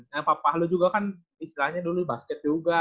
nah papa lo juga kan istilahnya dulu basket juga